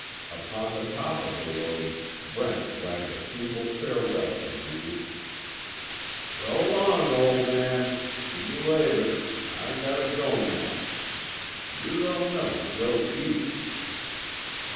Upon the top of the load, Brent wagged a feeble farewell to Reeves: "Sho long, ol' man she you later I got to go now. You don' know Joe Pete."